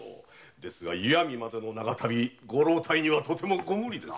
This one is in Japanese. ですが石見までの長旅はご老体には無理です。